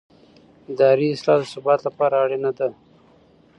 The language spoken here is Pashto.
اداري اصلاح د ثبات لپاره اړینه ده